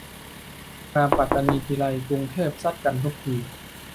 มาปัตตานีทีไร กรุงเทพซัดกันทุกที